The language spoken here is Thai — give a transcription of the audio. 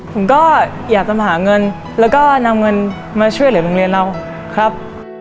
ผมก็อยากจะหาเงินแล้วก็นำเงินมาช่วยเหลือโรงเรียนเราครับ